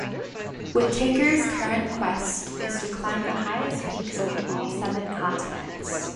Whittaker's current quest is to climb the highest peaks on all seven continents.